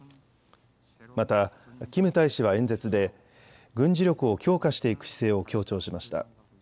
またキム大使は演説で軍事力を強化していく姿勢を強調しました。